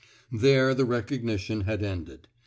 *' There the recognition had ended.